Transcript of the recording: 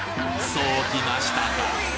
そうきましたか！